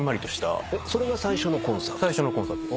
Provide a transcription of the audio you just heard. それが最初のコンサート？